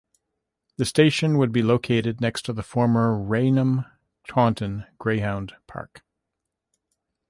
The station would be located next to the former Raynham-Taunton Greyhound Park.